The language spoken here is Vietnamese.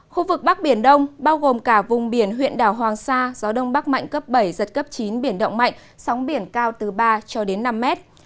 khu vực bắc biển đông bao gồm cả vùng biển huyện đảo hoàng sa gió đông bắc mạnh cấp bảy giật cấp chín biển động mạnh sóng biển cao từ ba cho đến năm mét